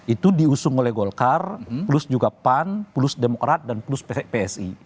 itu diusung oleh golkar plus juga pan plus demokrat dan plus psi